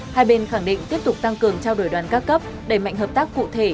hai bên khẳng định tiếp tục tăng cường trao đổi đoàn các cấp đẩy mạnh hợp tác cụ thể